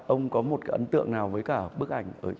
ông có một cái ấn tượng nào với cả bức ảnh ấy